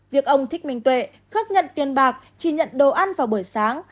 việc ông thích bình tuệ khắc nhận tiền bạc chỉ nhận đồ ăn vào buổi sáng